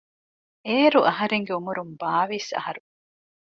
އޭރު އަހަރެންގެ އުމުރުން ބާވީސް އަހަރު